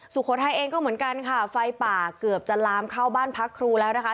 สุโขทัยเองก็เหมือนกันค่ะไฟป่าเกือบจะลามเข้าบ้านพักครูแล้วนะคะ